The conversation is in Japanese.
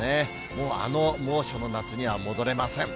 もうあの猛暑の夏には戻れません。